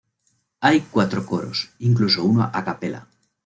Hay cuatro coros, incluso uno a cappella.